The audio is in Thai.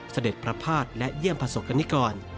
เสด็จประพาทและเยี่ยมพันธุ์สกรรมนี้ก่อน